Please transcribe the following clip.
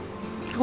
eh sebentar sayang